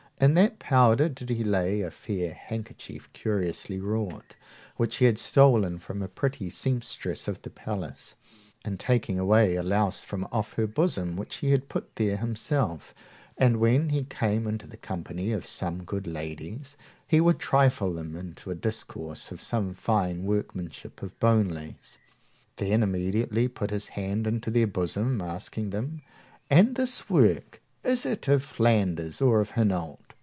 In that powder did he lay a fair handkerchief curiously wrought, which he had stolen from a pretty seamstress of the palace, in taking away a louse from off her bosom which he had put there himself, and, when he came into the company of some good ladies, he would trifle them into a discourse of some fine workmanship of bone lace, then immediately put his hand into their bosom, asking them, And this work, is it of Flanders, or of Hainault?